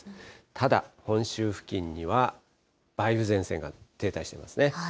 ただ、本州付近には梅雨前線が停滞していますね。